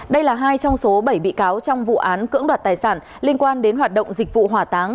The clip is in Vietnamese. đây là hai trong số bảy bị cáo trong vụ án cưỡng đoạt tài sản liên quan đến hoạt động dịch vụ hỏa táng